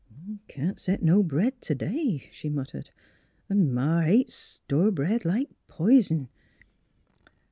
" Can't set no bread t' day," she muttered. " 'N' Ma hates store bread like pison."